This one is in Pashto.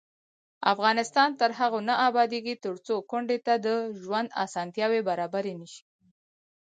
افغانستان تر هغو نه ابادیږي، ترڅو کونډې ته د ژوند اسانتیاوې برابرې نشي.